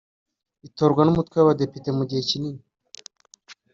itorwa n umutwe w abadepite mu gihe kinini